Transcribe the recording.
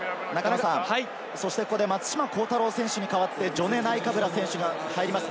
そして、ここで松島幸太朗選手に代わって、ジョネ・ナイカブラ選手が入ります。